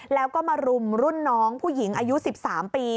แล้วก็มารุมรุ่นน้องผู้หญิงอายุ๑๓ปี